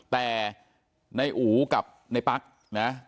แต่ในอู๋กับในปั๊กนะ